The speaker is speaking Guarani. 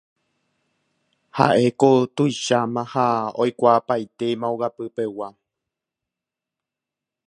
Ha'éko tuicháma ha oikuaapaitéma ogapypegua.